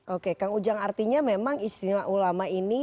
oke kang ujang artinya memang istimewa ulama ini